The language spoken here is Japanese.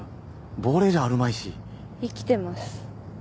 亡霊じゃあるまいし生きてます